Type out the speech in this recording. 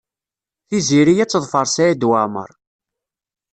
Tiziri ad teḍfer Saɛid Waɛmaṛ.